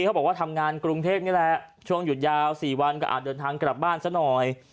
เขาบอกว่าทำงานกรุงเทพนี่แหละช่วงหยุดยาว๔วันก็อาจเดินทางกลับบ้านซะหน่อย